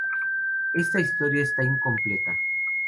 Esta historia está incompleta